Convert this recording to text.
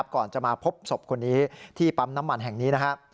ก่อนจะมาพบศพคนนี้ที่ปั๊มน้ำมันแห่งนี้นะครับ